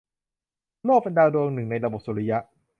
โลกเป็นดาวดวงหนึ่ง ในระบบสุริยะ